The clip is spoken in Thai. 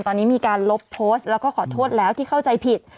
ตอนนี้มีการลบโพสต์แล้วก็ขอโทษแล้วที่เข้าใจผิด